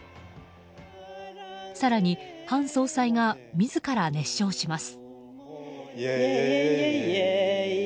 更に、韓総裁が自ら熱唱します。